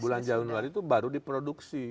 bulan januari itu baru diproduksi